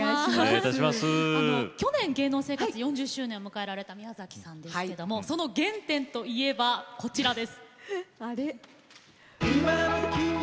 去年、芸能生活４０周年を迎えられた宮崎さんですがその原点といえば、こちらです。